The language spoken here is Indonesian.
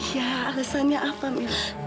ya alasannya apa mila